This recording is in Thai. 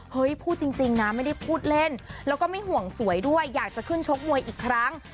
พูดจริงนะไม่ได้พูดเล่นแล้วก็ไม่ห่วงสวยด้วยอยากจะขึ้นชกมวยอีกครั้ง